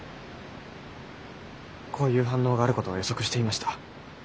こういう反応があることは予測していました。